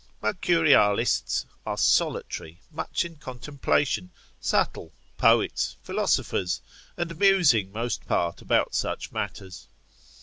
Mercurialists are solitary, much in contemplation, subtle, poets, philosophers, and musing most part about such matters.